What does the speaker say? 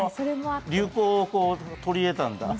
流行を取り入れたんだ。